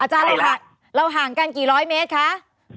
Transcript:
อาจารย์เราห่างกันกี่ร้อยเมตรคะ